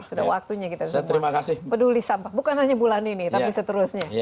sudah waktunya kita semua peduli sampah bukan hanya bulan ini tapi seterusnya